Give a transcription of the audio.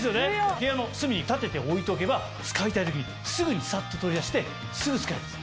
部屋の隅に立てて置いとけば使いたい時にすぐにサッと取り出してすぐ使えるんです。